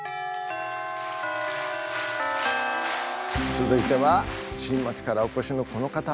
続いては新町からお越しのこの方。